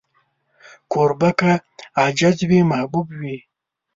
کوربه که عاجز وي، محبوب وي.